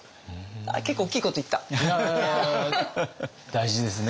大事ですね。